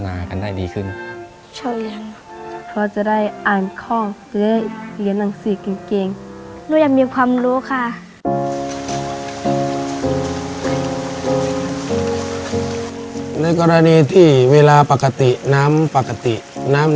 ในแคมเปญพิเศษเกมต่อชีวิตโรงเรียนของหนู